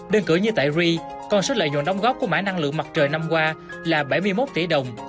đơn cửa như tại ree còn suất lợi nhuận đóng góp của mã năng lượng mặt trời năm qua là bảy mươi một tỷ đồng